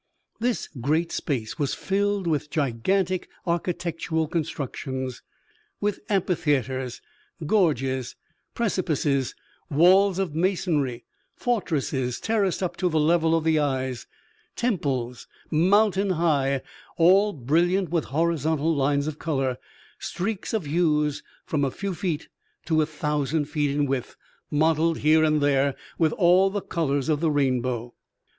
This great space was filled with gigantic architectural constructions, with amphitheaters, gorges, precipices, walls of masonry, fortresses, terraced up to the level of the eyes, temples, mountain high, all brilliant with horizontal lines of color streaks of hues from a few feet to a thousand feet in width, mottled here and there with all the colors of the rainbow.